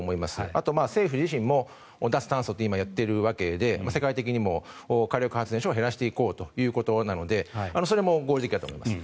あとは政府自身も今、脱炭素とやっているわけで世界的にも火力発電所を減らしていこうということなのでそれも合理的だと思います。